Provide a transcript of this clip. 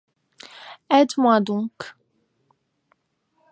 Aide-moi donc!